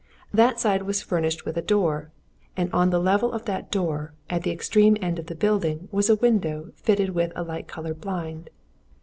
That side was furnished with a door and on the level of that door at the extreme end of the building was a window fitted with a light coloured blind.